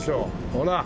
ほら。